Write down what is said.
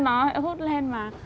nó hút lên mà